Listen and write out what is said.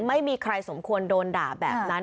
ไม่มีใครสมควรโดนด่าแบบนั้น